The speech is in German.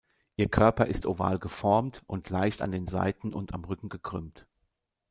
Ihr Körper ist oval geformt und leicht an den Seiten und am Rücken gekrümmt.